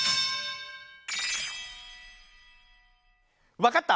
わかった！